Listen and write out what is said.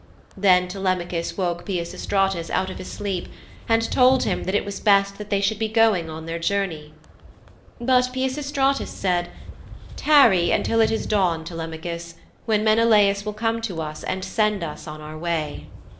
Then Telemachus woke Peisistratus out of his sleep and told him that it was best that they should be going on their journey. But Peisistratus said, 'Tarry until it is dawn, Telemachus, when Menelaus will come to us and send us on our way.'